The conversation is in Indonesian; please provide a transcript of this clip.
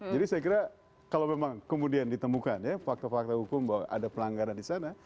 jadi saya kira kalau memang kemudian ditemukan ya fakta fakta hukum bahwa ada pelanggaran disana